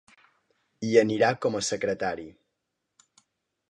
Hi anirà com a secretari.